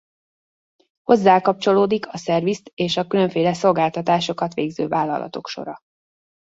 Hozzá kapcsolódik a szervizt és a különféle szolgáltatásokat végző vállalatok sora.